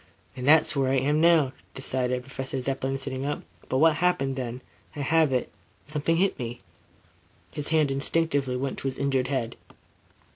"And that's where I am now," decided Professor Zepplin, sitting up. "But, what happened then? I have it. Something hit me." His hand instinctively went to his injured head.